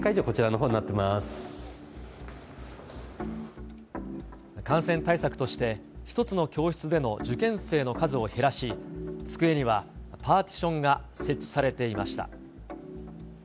こちらのほうになっ感染対策として、１つの教室での受験生の数を減らし、机にはパーティションが設置されていました。